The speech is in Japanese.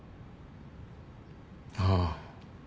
ああ。